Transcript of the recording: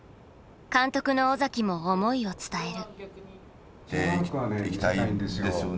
監督の尾崎も思いを伝える。